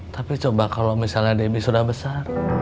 tapi coba kalau misalnya debbie sudah besar